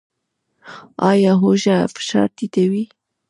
ایا هوږه فشار ټیټوي؟